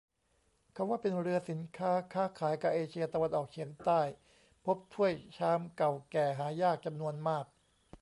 เขาว่าเป็นเรือสินค้า ค้าขายกะเอเชียตะวันออกเฉียงใต้ พบถ้วยชามเก่าแก่หายากจำนวนมาก